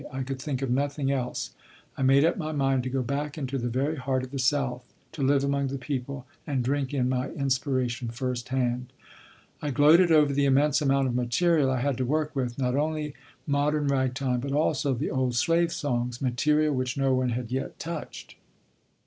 I could think of nothing else. I made up my mind to go back into the very heart of the South, to live among the people, and drink in my inspiration firsthand. I gloated over the immense amount of material I had to work with, not only modern ragtime, but also the old slave songs material which no one had yet touched.